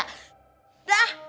sekali kali support kayak gitu